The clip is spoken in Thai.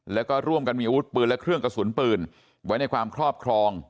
แล้วก็ร่วมกันมีอาวุธปืนและเครื่องกระสุนปืนไว้ในความครอบครอง